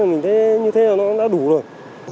mình thấy như thế là nó đã đủ rồi